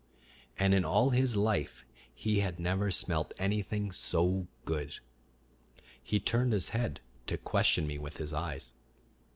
And in all his life he had never smelled anything so good. He turned his head to question me with his eyes.